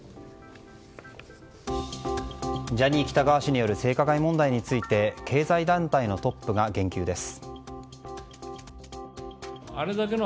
ジャニー喜多川氏による性加害問題に対して経済団体のトップが言及です。